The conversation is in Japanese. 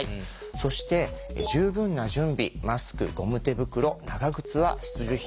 そして十分な準備マスクゴム手袋長靴は必需品。